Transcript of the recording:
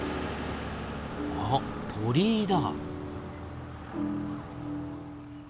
あっ鳥居だ。